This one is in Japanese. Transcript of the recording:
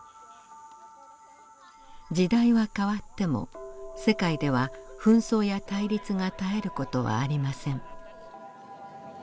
時代は変わっても世界では紛争や対立が絶える事はありません。